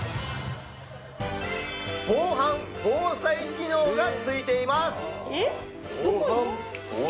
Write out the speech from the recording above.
防犯・防災機能が付いています